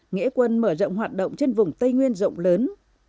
nghĩa quân mở rộng hoạt động trên vùng tây nguyên rộng lớn